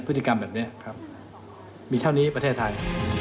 พฤติกรรมแบบนี้ครับมีเท่านี้ประเทศไทย